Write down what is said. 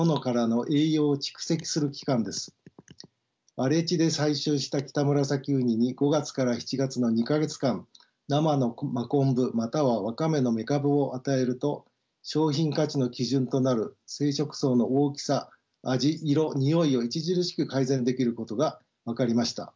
荒れ地で採集したキタムラサキウニに５月から７月の２か月間生のマコンブまたはワカメのメカブを与えると商品価値の基準となる生殖巣の大きさ味色においを著しく改善できることが分かりました。